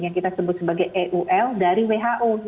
yang kita sebut sebagai eul dari who